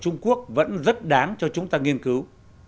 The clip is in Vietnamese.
trung quốc vẫn rất đáng cho chúng ta nghiên cứu